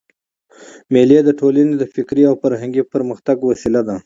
مېلې د ټولني د فکري او فرهنګي پرمختګ وسیله ده.